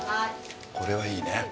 これはいいね。